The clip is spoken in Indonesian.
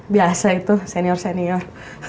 biasa itu senior senior